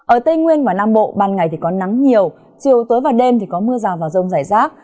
ở tây nguyên và nam bộ ban ngày có nắng nhiều chiều tối và đêm có mưa rào vào rông rải rác